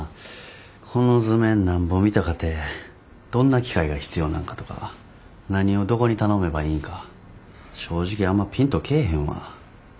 この図面なんぼ見たかてどんな機械が必要なんかとか何をどこに頼めばいいんか正直あんまピンと来ぇへんわ。